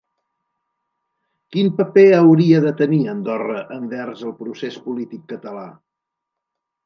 Quin paper hauria de tenir Andorra envers el procés polític català?